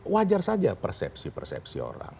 wajar saja persepsi persepsi orang